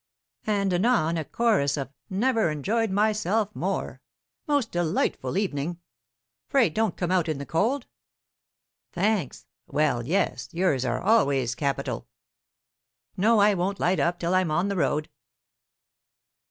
And anon a chorus of "Never enjoyed myself more!" "Most delightful evening!" "Pray don't come out in the cold." "Thanks; well, yes, yours are always capital." "No, I won't light up till I'm on the road."